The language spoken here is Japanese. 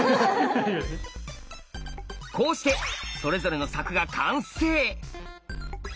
こうしてそれぞれの柵が完成。